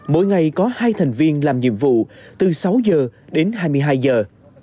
mỗi ngày có hai thành viên làm nhiệm vụ từ sáu giờ đến hai mươi hai giờ